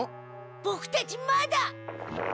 ボクたちまだ。